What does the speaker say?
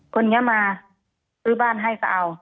คนนี้มาซื้อบ้านให้ก็เอา